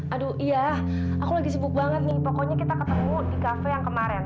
aduh iya aku lagi sibuk banget nih pokoknya kita ketemu di kafe yang kemarin